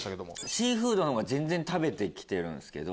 シーフードのほうが全然食べて来てるんすけど。